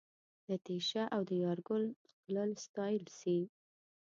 د تېشه او د یارګل ښکلل ستایل سي